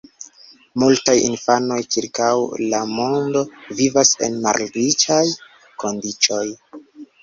Multaj infanoj ĉirkaŭ la mondo vivas en malriĉaj kondiĉoj.